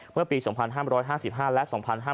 เมื่อปี๒๕๕๕และ๒๕๕๙